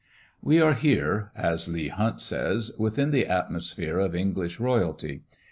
We are here as Leigh Hunt says within the atmosphere of English royalty.